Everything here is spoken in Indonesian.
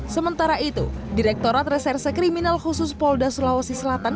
sementara itu direkturat reserse kriminal khusus polda sulawesi selatan